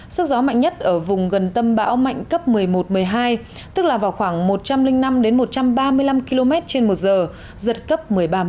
sức gió mạnh nhất ở vùng gần tâm bão mạnh cấp một mươi một một mươi hai tức là vào khoảng một trăm linh năm một trăm ba mươi năm km trên một giờ giật cấp một mươi ba một mươi năm